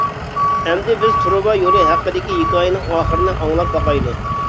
ئەمدى بىز تۇرۇبا يولى ھەققىدىكى ھېكايىنىڭ ئاخىرىنى ئاڭلاپ باقايلى.